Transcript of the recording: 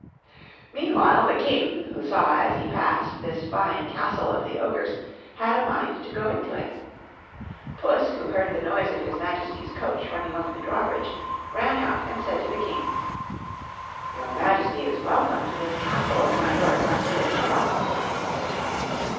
Meanwhile the King, who saw, as he passed, this fine castle of the Ogre's, had a mind to go into it. Puss, who heard the noise of his Majesty's coach running over the drawbridge, ran out and said to the King: "Your Majesty is welcome to this castle of my lord Marquis of Carabas."